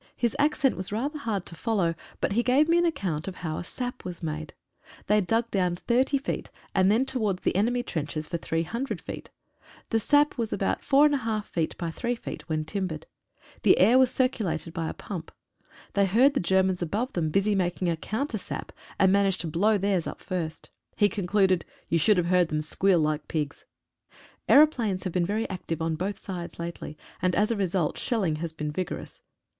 His accent was rather hard to follow, but he gave me an account of how a sap was made. They dug down 30 feet, and then out towards the enemy trenches for 300 feet. The sap was about iyi feet by 3 feet, when ■timbered. The air was circulated by a pump. They heard the Germans above them busy making a counter sap, and managed to blow theirs up first. He concluded, "You should have heard them squeal like pigs." Aero planes have been very active on both sides lately, and as a result shelling has been vigorous.